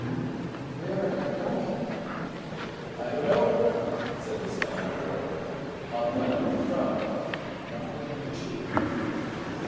"And where are you going?" "I dunno," said the Spangled Boy. "I'm running from, not to."